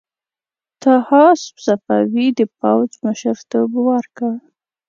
طاهاسپ صفوي د پوځ مشرتوب ورکړ.